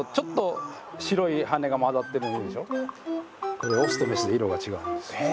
これオスとメスで色が違うんです。